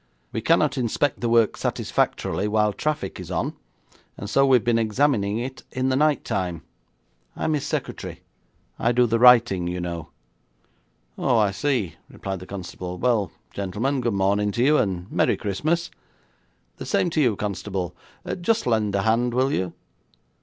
We cannot inspect the work satisfactorily while traffic is on, and so we have been examining it in the night time. I am his secretary; I do the writing, you know.' 'Oh, I see,' replied the constable. 'Well, gentlemen, good morning to you, and merry Christmas.' 'The same to you, constable. Just lend a hand, will you?'